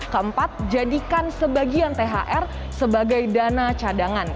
keempat jadikan sebagian thr sebagai dana cadangan